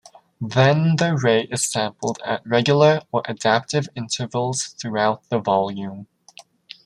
Then the ray is sampled at regular or adaptive intervals throughout the volume.